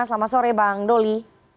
selamat sore bang doli